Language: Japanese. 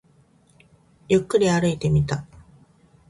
ゆっくり歩いてみた